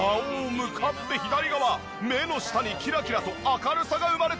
向かって左側目の下にキラキラと明るさが生まれている！